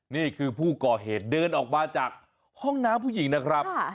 นี่คือผู้ก่อเหตุเดินออกมาจากห้องน้ำผู้หญิงนะครับ